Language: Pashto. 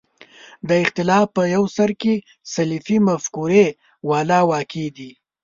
د اختلاف په یو سر کې سلفي مفکورې والا واقع دي.